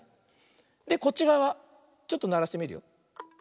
でこっちがわちょっとならしてみるよ。